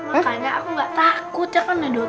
makanya aku gak takut ya kan ya dot